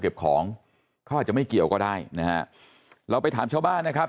ของเขาอาจจะไม่เกี่ยวก็ได้นะฮะเราไปถามชาวบ้านนะครับ